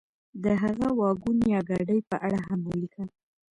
د هغه واګون یا ګاډۍ په اړه هم ولیکه.